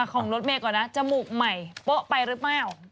ของรถเมย์ก่อนนะจมูกใหม่โป๊ะไปหรือเปล่า